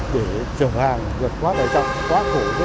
để chợ hàng vượt quá đại trọng quá khổ